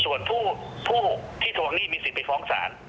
ส่วนผู้ที่ทวงหนี้มีสิทธิ์ไปฟ้องศาล